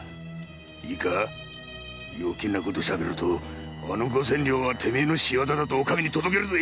いいかよけいなことを喋るとあの五千両はお前の仕業だとお上に届けるぜ！